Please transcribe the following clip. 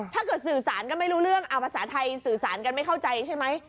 สื่อสารก็ไม่รู้เรื่องเอาภาษาไทยสื่อสารกันไม่เข้าใจใช่ไหม